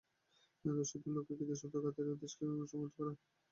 দেশসুদ্ধ লোককে কি– দেশসুদ্ধ লোকের খাতিরে দেশকে সুদ্ধ মজাতে পারব না তো।